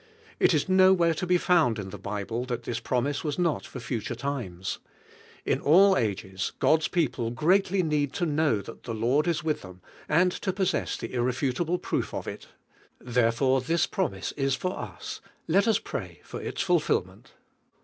It is nowhere to be found in the Bible that (his promise was uot for future times. In all ages God's people greatly need to know that the Lord is with them, and to possess the ir D1V1KE 1IEAL1NO. lUd refutable proof of it. Therefore this prom ise is for us; let ns pray for its fulfilment.